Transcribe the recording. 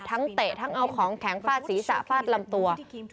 เตะทั้งเอาของแข็งฟาดศีรษะฟาดลำตัว